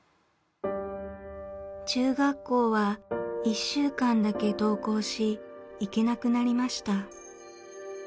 中学校は１週間だけ登校し行けなくなりました。